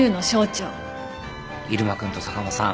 入間君と坂間さん